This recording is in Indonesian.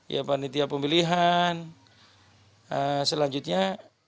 ya panitia pemilihan selanjutnya